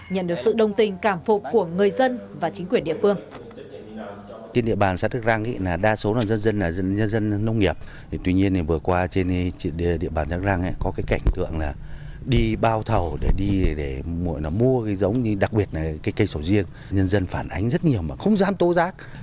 nhận được sự đồng tình cảm phục của người dân và chính quyền địa phương